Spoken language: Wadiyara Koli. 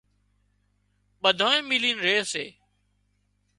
ٻڌانئين ملين ري سي